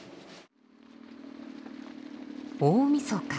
大みそか。